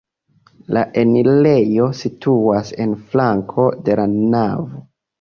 La enirejo situas en flanko de la navo.